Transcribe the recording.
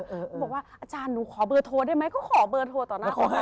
เขาบอกว่าอาจารย์หนูขอเบอร์โทรได้ไหมก็ขอเบอร์โทรต่อหน้าเขาให้